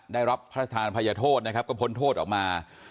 ได้รับพระทานภัยโทษนะครับก็พ้นโทษออกมา